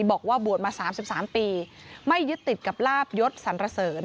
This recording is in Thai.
บอกว่าบวชมา๓๓ปีไม่ยึดติดกับลาบยศสรรเสริญ